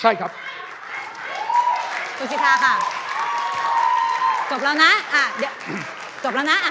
ใช่ครับคุณสิทธาค่ะจบแล้วนะเดี๋ยวจบแล้วนะ